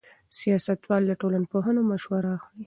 سیاستوال له ټولنپوهانو مشوره اخلي.